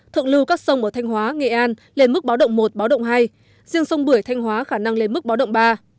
thượng lưu các sông ở thanh hóa nghệ an lên mức báo động một báo động hai riêng sông bưởi thanh hóa khả năng lên mức báo động ba